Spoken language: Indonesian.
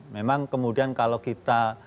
memang kemudian kalau kita